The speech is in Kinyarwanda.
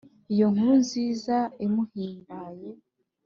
iyo nkuru nziza imuhimbaye